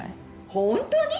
ホントに？